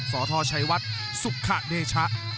สธชัยวัตสุฆาเนชะ